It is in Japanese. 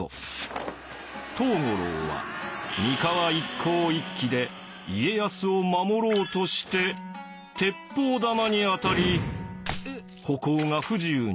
藤五郎は三河一向一揆で家康を守ろうとして鉄砲玉に当たり歩行が不自由になり。